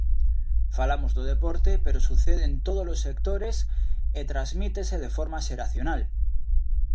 Falamos do deporte pero sucede en todos os sectores e transmítese de forma xeracional.